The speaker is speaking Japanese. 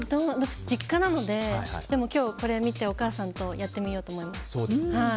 私、実家なんですけど今日これを見てお母さんとやってみようと思います。